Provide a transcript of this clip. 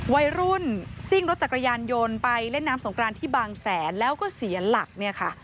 วัยรุ่นซิ่งรถจักรยานยนต์ไปเล่นน้ำสงกรานที่บางแสนแล้วก็เสียหลักเนี่ยค่ะ